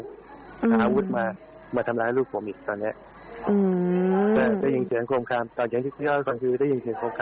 หาอาวุธมามาทำร้ายลูกผมอีกตอนนี้